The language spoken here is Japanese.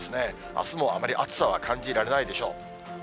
あすもあまり暑さは感じられないでしょう。